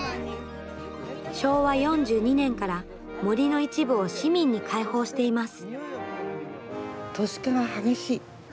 昭和４２年から森の一部を市民に開放しています。